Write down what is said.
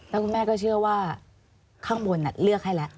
แล้วคุณแม่ก็เชื่อว่าข้างบนเลือกให้แล้ว